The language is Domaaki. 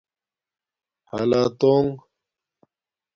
حلاتݸنگ